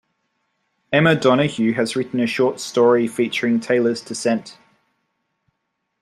Emma Donoghue has written a short story featuring Taylor's descent.